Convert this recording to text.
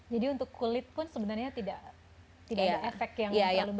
jadi untuk kulit pun sebenarnya tidak ada efek yang terlalu beresiko